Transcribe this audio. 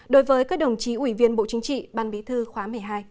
đối với các đồng chí ủy viên bộ chính trị ban bí thư khóa một mươi hai